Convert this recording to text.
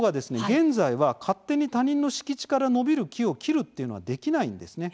現在は勝手に他人の敷地から伸びる木を切るっていうのはできないんですね。